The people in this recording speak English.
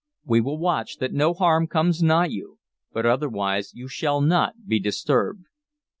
We will watch that no harm comes nigh you, but otherwise you shall not be disturbed."